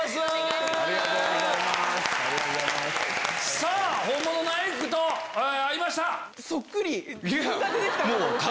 さぁ本物のアイクと会いました。